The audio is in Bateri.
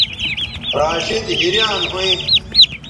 راشدحیریان ھویں